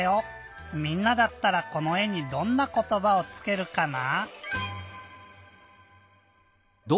みんなだったらこのえにどんなことばをつけるかな？